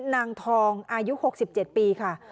นางทองอายุหกสิบเจ็ดปีค่ะ